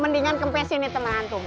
mendingan kempesin ya teman antum